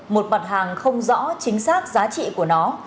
một mặt hàng không rõ chính xác giá trị của nó